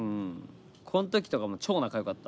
こん時とかも超仲よかった。